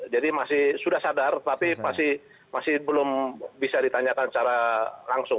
jadi masih sudah sadar tapi masih belum bisa ditanyakan secara langsung